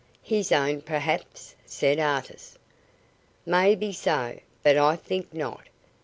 "His own, perhaps," said Artis. "May be so, but I think not.